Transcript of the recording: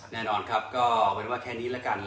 แน่นอนครับก็เป็นว่าแค่นี้แล้วกัน